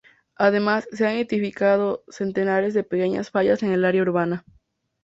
Además, se han identificado centenares de pequeñas fallas en el área urbana.